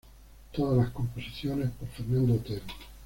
Todas las composiciones por Fernando Otero.